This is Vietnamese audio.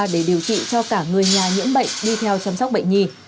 để điều trị cho cả người nhà nhiễm bệnh đi theo chăm sóc bệnh nhi